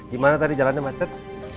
gimana tadi jalannya macet